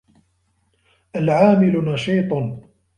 الْعَامِلُ نَشِيطٌ.